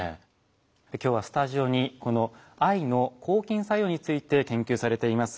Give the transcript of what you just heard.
今日はスタジオにこの藍の抗菌作用について研究されています